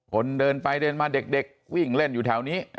เดินไปเดินมาเด็กวิ่งเล่นอยู่แถวนี้